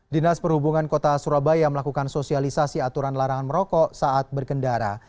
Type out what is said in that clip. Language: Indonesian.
dinas perhubungan kota surabaya melakukan sosialisasi aturan larangan merokok saat berkendara